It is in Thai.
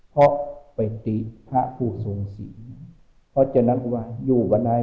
เพราะไปตีภรรย์ผู้ทรงศรีเพราะฉะนั้นว่าอยู่กับนาย